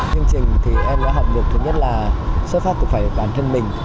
chương trình em đã học được thứ nhất là xuất phát tục phải bản thân mình